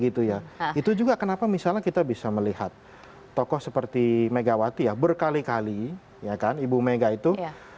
itu juga kenapa misalnya kita bisa melihat tokoh seperti megawati ya berkali kali ya kan ibu mega itu